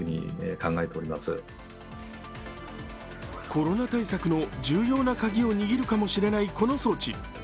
コロナ対策の重要なカギを握るかもしれないこの装置。